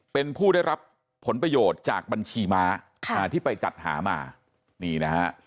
เป็นผู้ได้รับผลประโยชน์จากบัญชีม้าที่ไปจัดหามานี่นะฮะ